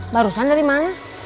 barusan dari mana